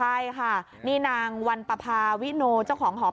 ใช่ค่ะนี่นางวันปภาวิโนเจ้าของหอพัก